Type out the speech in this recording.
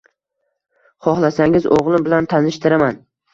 Xohlasangiz, o’glim bilan tanishtiraman.